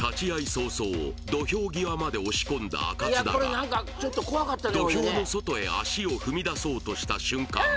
早々土俵際まで押し込んだあかつだが土俵の外へ足を踏み出そうとした瞬間